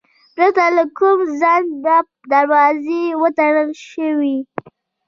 پرته له کوم ځنډه دروازې وتړل شوې.